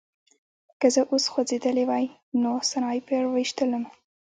که زه اوس خوځېدلی وای نو سنایپر ویشتلم